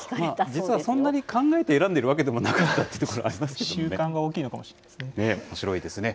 実はそんなに考えて選んでいるわけでもなかったということで習慣が大きいのかもしれないおもしろいですね。